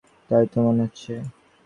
তাই তো মনে হচ্ছে।